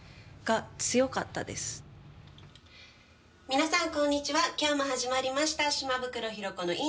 皆さんこんにちは今日も始まりました「島袋寛子のいいね！